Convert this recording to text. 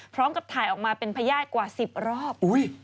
พร้อมกับถ่ายออกมาเป็นพญาติกว่า๑๐รอบ